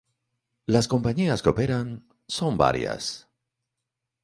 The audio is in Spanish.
Las compañías que operan son varias.